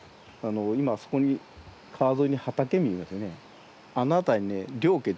今あそこに川沿いに畑見えますね。